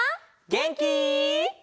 げんき！